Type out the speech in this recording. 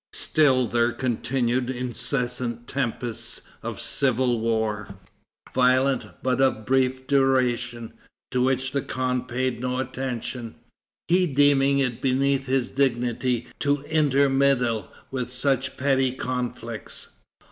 Still there continued incessant tempests of civil war, violent but of brief duration, to which the khan paid no attention, he deeming it beneath his dignity to inter meddle with such petty conflicts.